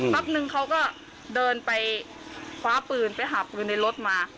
แป๊บนึงเขาก็เดินไปคว้าปืนไปหาปืนในรถมา